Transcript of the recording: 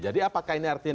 jadi apakah ini artinya